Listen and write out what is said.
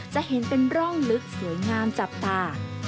จะเห็นเป็นร่องลึกสวยงามจับตา